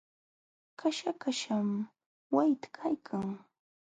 Kaśha kaśham waqta kaykan.